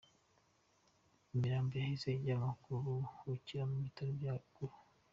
Imirambo yahise ijyanwa kuruhukira mu bitaro bya Gulu.